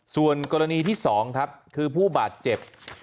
ส่วนกรณีที่๒ครับคือผู้บาดเจ็บ